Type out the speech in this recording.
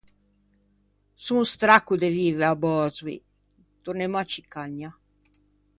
Son stracco de vive à Bòrzoi, tornemmo à Cicagna.